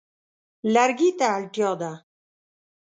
لرګي ته اړتیا ده.